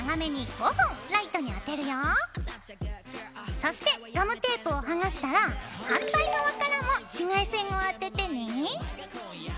そしてガムテープを剥がしたら反対側からも紫外線を当ててね。